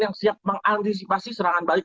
yang siap mengantisipasi serangan balik